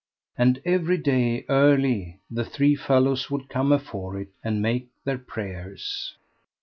And every day early the three fellows would come afore it, and make their prayers.